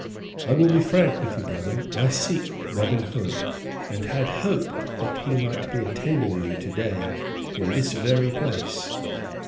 I will be frank with you, brother. I seek Robin Hood, and had hoped that he might be attending you to day in this very place."